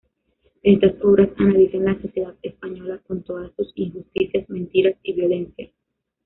Estas obras analizan la sociedad española con todas sus injusticias, mentiras y violencias.